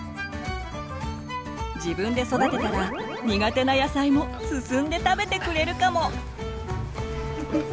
自分で育てたら苦手な野菜も進んで食べてくれるかも！